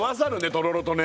とろろとね